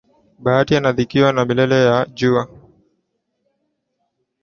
Bahati anadhihakiwa na miale ya jua